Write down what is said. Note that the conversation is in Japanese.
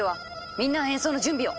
みんなは演奏の準備を！